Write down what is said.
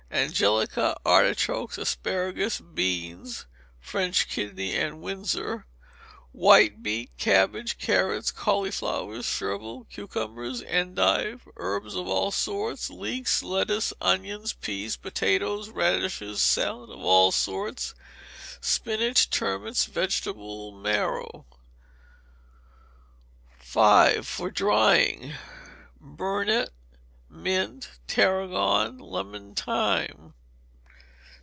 Angelica, artichokes, asparagus, beans (French, kidney, and Windsor), white beet, cabbage, carrots, cauliflowers, chervil, cucumbers, endive, herbs of all sorts, leeks, lettuce, onions, peas, potatoes, radishes, salad of all sorts, spinach, turnips, vegetable marrow. v. For Drying. Burnet, mint, tarragon, lemon thyme.